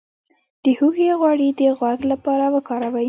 د هوږې غوړي د غوږ لپاره وکاروئ